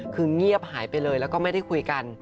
คือเงียบหายไปเลยแล้วก็ไม่ได้คุยกัน